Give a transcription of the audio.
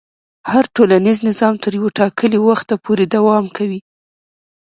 هر ټولنیز نظام تر یو ټاکلي وخته پورې دوام کوي.